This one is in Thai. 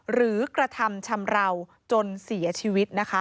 หรือกระทำชำราวจนเสียชีวิตนะคะ